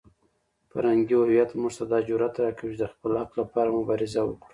فرهنګي هویت موږ ته دا جرئت راکوي چې د خپل حق لپاره مبارزه وکړو.